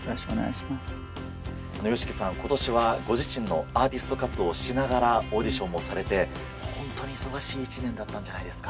今年はご自身のアーティスト活動をしながらオーディションもされてホントに忙しい１年だったんじゃないですか？